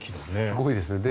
すごいですよね。